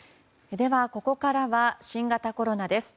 では、ここからは新型コロナです。